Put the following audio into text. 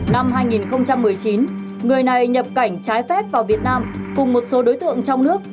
năm hai nghìn một mươi chín người này nhập cảnh trái phép vào việt nam cùng một số đối tượng trong nước